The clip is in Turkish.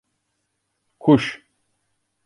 Kuş